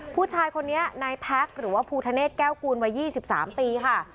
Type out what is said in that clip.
ผู้ชายคนนี้นายแพ็คหรือว่าภูทะเศษแก้วกูลวัย๒๓ปีค่ะ